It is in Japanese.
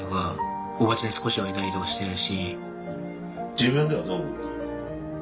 自分ではどう思ってる？